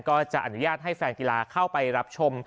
ก็จะอนุญาตให้แฟนกีฬาเข้าไปรับชม